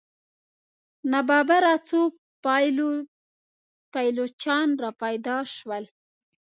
ناببره څو پایلوچان را پیدا شول.